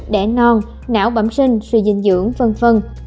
đẻ non não bẩm sinh suy dinh dưỡng v v